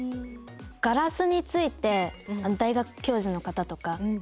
ガラスについて大学教授の方とか皆さん